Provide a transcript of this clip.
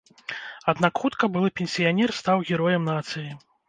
Аднак хутка былы пенсіянер стаў героем нацыі.